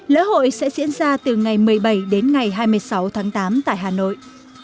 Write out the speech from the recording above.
lễ hội sẽ diễn ra từ ngày một mươi bảy đến ngày hai mươi sáu tháng tám tại hà nội